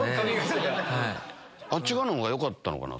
あっち側の方がよかったのかな